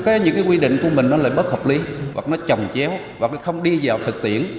cái những cái quy định của mình nó lại bất hợp lý hoặc nó trồng chéo và nó không đi vào thực tiễn